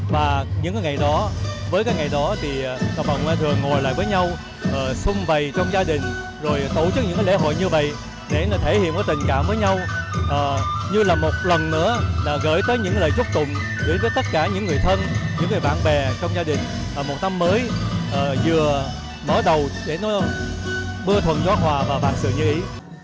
và những ngày đó với các ngày đó thì cộng đồng người hoa thường ngồi lại với nhau xung bày trong gia đình rồi tổ chức những lễ hội như vậy để thể hiện tình cảm với nhau như là một lần nữa gửi tới những lời chúc tụng gửi tới tất cả những người thân những bạn bè trong gia đình một năm mới vừa mở đầu để bưa thuần gió hòa và bạc sự như ý